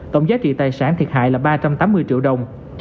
tổng giá trị tài sản thiệt hại là ba trăm tám mươi triệu đồng